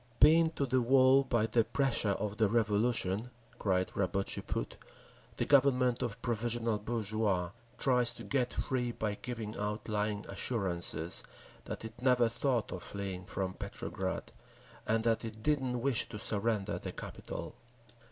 Pinned to the wall by the pressure of the Revolution (cried Rabotchi Put), the Government of "provisional" bourgeois tries to get free by giving out lying assurances that it never thought of fleeing from Petrograd, and that it didn't wish to surrender the capital….